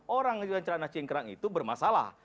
orang yang menggunakan celana cingkrang itu bermasalah